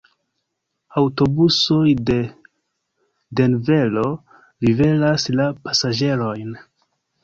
Aŭtobusoj de Denvero liveras la pasaĝerojn.